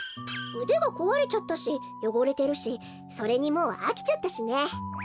うでがこわれちゃったしよごれてるしそれにもうあきちゃったしね。